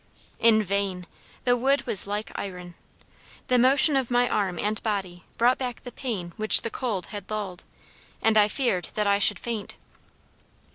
In vain! the wood was like iron. The motion of my arm and body brought back the pain which the cold had lulled, and I feared that I should faint.